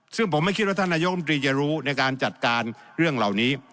ซึ่งผมไม่คิดว่าท่านนายกรรมตรีจะรู้ในการจัดการเรื่องเหล่านี้